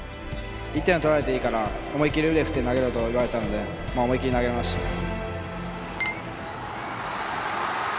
１点は取られていいから思い切り腕振って投げろと言われたので思い切り投げました。